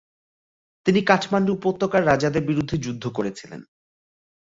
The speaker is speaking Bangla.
তিনি কাঠমান্ডু উপত্যকার রাজাদের বিরুদ্ধে যুদ্ধ করেছিলেন।